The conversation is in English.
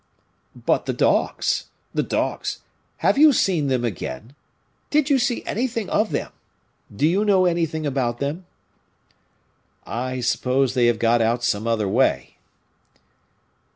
"But the dogs, the dogs; have you seen them again did you see anything of them do you know anything about them?" "I suppose they have got out some other way."